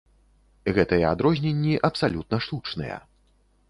Гэтыя адрозненні абсалютна штучныя.